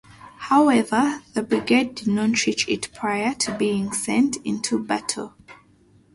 However, the brigade did not reach it prior to being sent into battle.